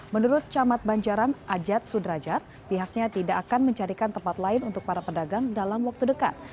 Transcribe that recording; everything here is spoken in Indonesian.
menurut camat banjaran ajat sudrajat pihaknya tidak akan mencarikan tempat lain untuk para pedagang dalam waktu dekat